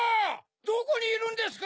どこにいるんですか？